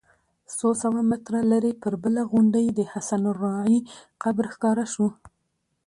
څو سوه متره لرې پر بله غونډۍ د حسن الراعي قبر ښکاره شو.